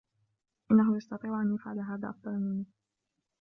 إنهُ يستطيع أن يفعل هذا أفضل مني.